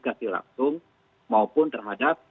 jadi orang panggilan kinerja itu di haven